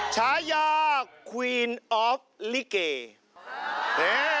ฉายาควีนออฟลิเก